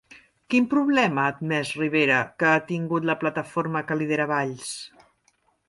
Quin problema ha admès Rivera que ha tingut la plataforma que lidera Valls?